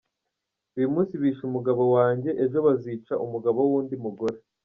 Uyu munsi bishe umugabo wanjye, ejo bazica umugabo w’undi mugore.”